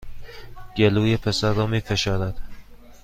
گلوی پسر را می فشارد